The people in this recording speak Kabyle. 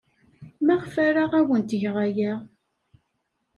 Maɣef ara awent-geɣ aya?